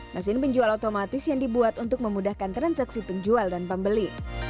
mesin penjual otomatis yang dibuat untuk memudahkan transaksi penjual dan pembeli